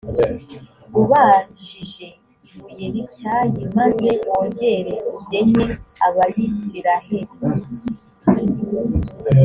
ubajishe ibuye rityaye, maze wongere ugenye abayisraheli.